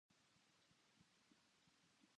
朝は眠いから苦手だ